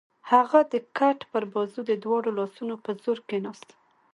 هغه د کټ پر بازو د دواړو لاسونو په زور کېناست.